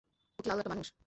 ও কি আদৌ একটা মানুষ?